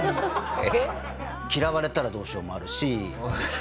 嫌われたらどうしようもあるし。